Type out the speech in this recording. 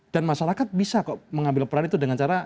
dan masyarakat bisa kok mengambil peran itu dengan cara